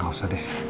gak usah deh